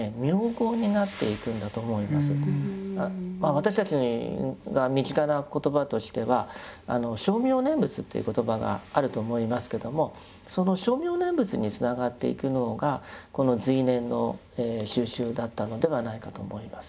私たちが身近な言葉としては「称名念仏」という言葉があると思いますけどもその称名念仏につながっていくのがこの随念の修習だったのではないかと思います。